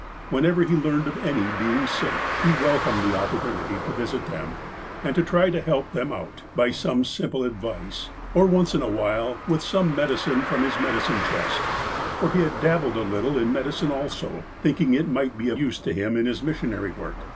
Whenever he learned of any being sick, he welcomed the opportunity to visit them, and to try to help them out, by some simx)le advice, or, once in a while, with some medicine from his medicine chest, for he had dab bled a little in medicine also, thinking it might be of use to him in his missionary work.